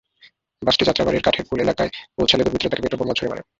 বাসটি যাত্রাবাড়ীর কাঠেরপুল এলাকায় পৌঁছালে দুর্বৃত্তরা তাতে পেট্রল বোমা ছুড়ে মারে।